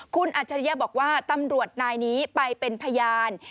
คุณอัจฉริยะบอกว่าตำรวจนายนี้ไปเป็นพยาน